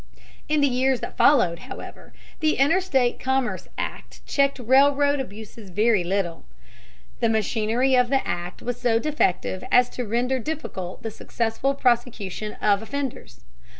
In the years that followed, however, the Interstate Commerce Act checked railroad abuses very little. The machinery of the Act was so defective as to render difficult the successful prosecution of offenders.